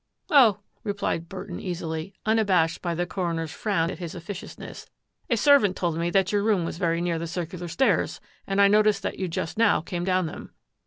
"" Oh," replied Burton easily, unabashed by the coroner's frown at his officiousness, " a serv ant told me that your room was very near the cir cular stairs and I noticed that you just now came down them."